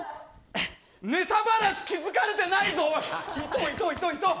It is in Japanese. ネタばらし気づかれてないぞ！